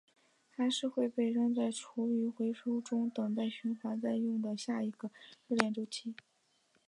还是会被扔在厨余回收箱中等待循环再用的下一个热恋周期？